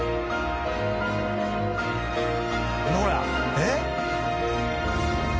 えっ？